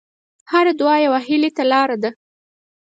هره دعا یوه هیلې ته لاره ده.